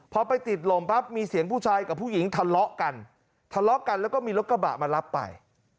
พอไปติดลมปั๊บมีเสียงผู้ชายกับผู้หญิงทะเลาะกันทะเลาะกันแล้วก็มีรถกระบะมารับไป